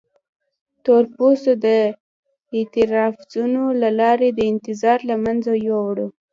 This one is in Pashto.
تور پوستو د اعتراضونو له لارې دا نظام له منځه یووړ.